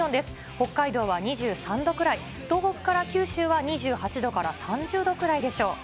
北海道は２３度くらい、東北から九州は２８度から３０度くらいでしょう。